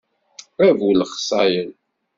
A bu lexṣayel.